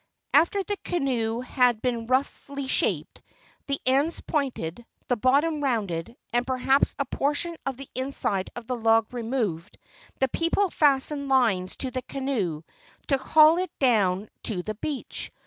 After the canoe had been roughly shaped, the ends pointed, the bottom rounded, and perhaps a portion of the inside of the log removed, the people fastened lines to the canoe to haul it down to the beach.